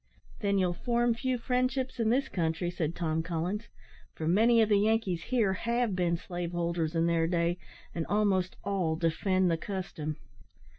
"Then you'll form few friendships in this country," said Tom Collins, "for many of the Yankees here have been slave holders in their day, and almost all defend the custom."